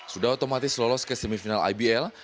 sudah otomatis lolos ke semifinal ibl